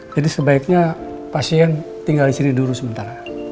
jadi sebaiknya pasien tinggal disini dulu sementara